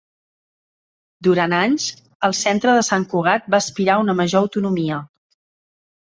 Durant anys, el centre de Sant Cugat va aspirar a una major autonomia.